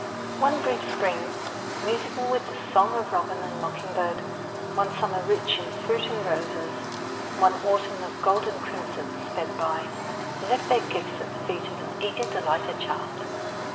One brief spring, musical with the song of robin and mocking bird, one summer rich in fruit and roses, one autumn of gold and crimson sped by and left their gifts at the feet of an eager, delighted child.